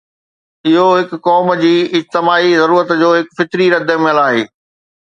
اهو هڪ قوم جي اجتماعي ضرورت جو هڪ فطري ردعمل آهي.